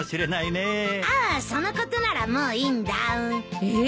ああそのことならもういいんだ。え？